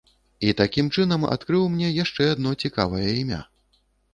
І такім чынам адкрыў мне яшчэ адно цікавае імя.